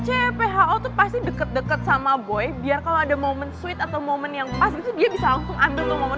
cpho tuh pasti deket deket sama boy biar kalau ada momen sweet atau momen yang pas gitu dia bisa langsung ambil momen